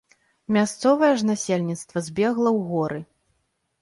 Мясцовае ж насельніцтва збегла ў горы.